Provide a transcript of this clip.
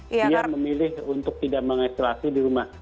dia memilih untuk tidak mengisolasi di rumah